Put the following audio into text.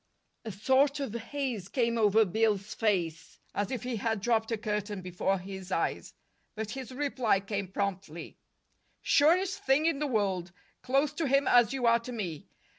A sort of haze came over Bill's face, as if he had dropped a curtain before his eyes. But his reply came promptly: "Surest thing in the world. Close to him as you are to me.